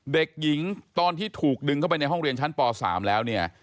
เด็กหญิงตอนที่ถูกดึงเข้าไปในห้องเรียนชั้นป๓แล้วเนี่ย